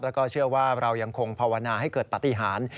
แล้วก็เชื่อว่าเรายังคงภาวนาให้เกิดปฏิหาร